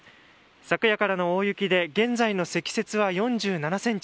昨夜からの大雪で現在の積雪は４７ｃｍ。